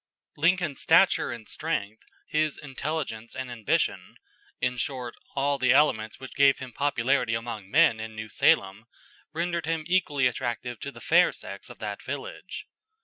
Lincoln's stature and strength, his intelligence and ambition in short, all the elements which gave him popularity among men in New Salem, rendered him equally attractive to the fair sex of that village.